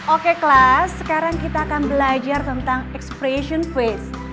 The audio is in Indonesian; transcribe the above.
oke kelas sekarang kita akan belajar tentang expression face